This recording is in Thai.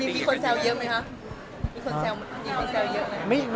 มีคนแซวว์เยอะไหม